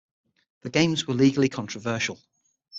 The games were legally controversial.